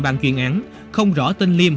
ban chuyên án không rõ tên liêm